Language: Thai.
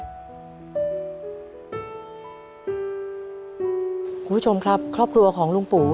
คุณผู้ชมครับครอบครัวของลุงปู่